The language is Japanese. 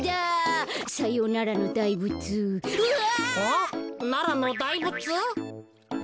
ん？ならのだいぶつ？